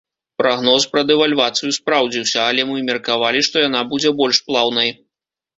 Прагноз пра дэвальвацыю спраўдзіўся, але мы меркавалі, што яна будзе больш плаўнай.